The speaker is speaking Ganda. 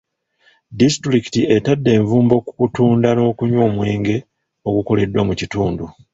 Disitulikiti etadde envumbo ku kutunda n'okunywa omwenge ogukoleddwa mu kitundu.